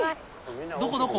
どこどこ？